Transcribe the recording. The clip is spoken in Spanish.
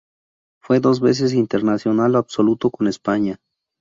Fue dos veces internacional absoluto con España.